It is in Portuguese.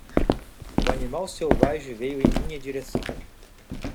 O animal selvagem veio em minha direção.